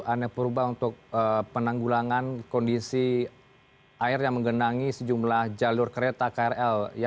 ada purba untuk penanggulangan kondisi air yang menggenangi sejumlah jalur kereta krl